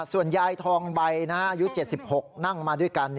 ส่วนยายทองใบอายุ๗๖นั่งมาด้วยกัน